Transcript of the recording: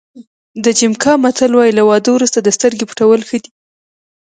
د جمیکا متل وایي له واده وروسته د سترګې پټول ښه دي.